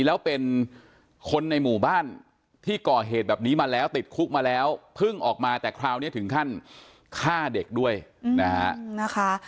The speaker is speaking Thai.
แล้วเป็นคนในหมู่บ้านที่ก่อเหตุแบบนี้มาแล้วติดคุกมาแล้วเพิ่งออกมาแต่คราวนี้ถึงขั้นฆ่าเด็กด้วยนะฮะ